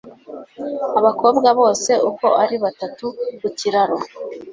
Abakobwa bose uko ari batatu ku kiraro